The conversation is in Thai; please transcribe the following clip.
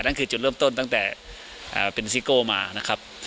นั่นคือจุดเริ่มต้นตั้งแต่เป็นซิโก้มานะครับ